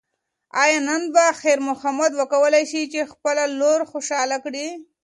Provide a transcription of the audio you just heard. ایا نن به خیر محمد وکولی شي چې خپله لور خوشحاله کړي؟